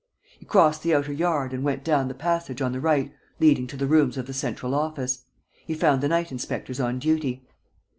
He crossed the outer yard and went down the passage on the right leading to the rooms of the central office. He found the night inspectors on duty.